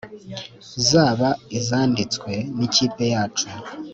zaba izanditswe n’ikipe yacu,